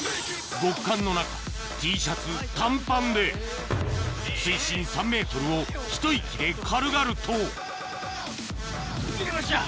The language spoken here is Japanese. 極寒の中Ｔシャツ短パンで水深３ｍをひと息で軽々と行けました。